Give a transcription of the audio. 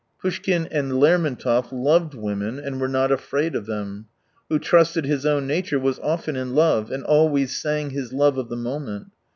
Poushkin and Lermontov loved women and were not afraid of them; Poush kin, who trusted his own nature, was often in love, and always sang his love of the moment.